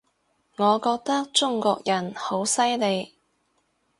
我覺得中國人好犀利